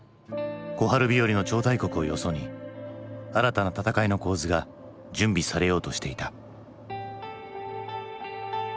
小春日和の超大国をよそに新たな戦いの構図が準備されようとしていた。